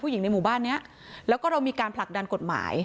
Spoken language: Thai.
หญิงในหมู่บ้านเนี้ยแล้วก็เรามีการผลักดันกฎหมาย